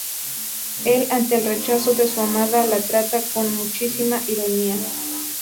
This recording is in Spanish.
El ante el rechazo de su amada, la trata con muchísima ironía.